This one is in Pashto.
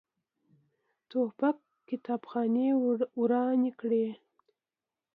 توپک کتابخانې ورانې کړي.